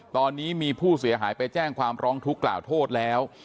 ตอนนี้มีผู้เสียหายไปแจ้งความร้องทุกข์กล่าวโทษแล้ว